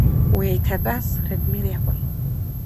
Уи иҭатәаз Радмир иакәын.